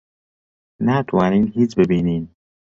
ناتوانین هیچ ببینین.